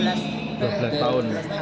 udah harus bisa menenun